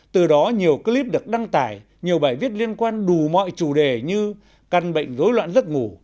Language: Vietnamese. từ đó nhiều clip được đăng tải nhiều bài viết liên quan đủ mọi chủ đề như căn bệnh dối loạn giấc ngủ